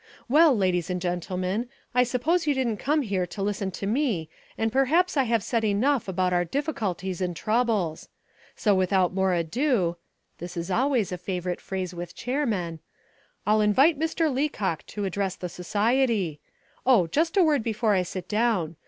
Well, ladies and gentlemen, I suppose you didn't come here to listen to me and perhaps I have said enough about our difficulties and troubles. So without more ado (this is always a favourite phrase with chairmen) I'll invite Mr. Leacock to address the society; oh, just a word before I sit down.